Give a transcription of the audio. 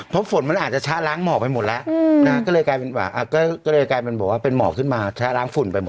เพราะฝนมันอาจชะล้างหมอกไปหมดแล้วก็เลยกลายเป็นเหมือนเป็นหมอกขึ้นมาชะล้างฝุ่นไปหมด